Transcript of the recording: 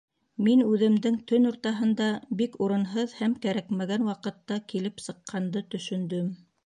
Мин үҙемдең төн уртаһында бик урынһыҙ һәм кәрәкмәгән ваҡытта килеп сыҡҡанды төшөндөм.